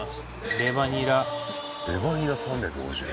レバニラレバニラ３５０円